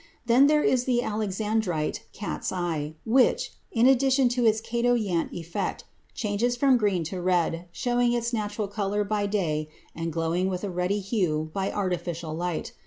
Then there is the alexandrite cat's eye which, in addition to its chatoyant effect, changes from green to red, showing its natural color by day and glowing with a ruddy hue by artificial light.